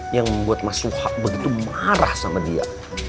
yang membuat mas suha begitu marah sama dia